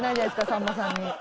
さんまさんに。